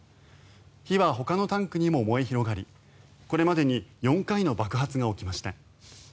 火は他のタンクにも燃え広がりこれまでに４回の爆発が起きました。